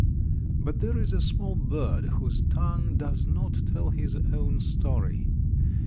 But there is a small bird whose tongue does not tell his own story.